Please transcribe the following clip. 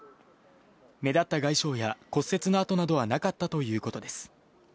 目立った外傷や骨折の痕などはなかったということです。